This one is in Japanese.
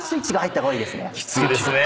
きついですね。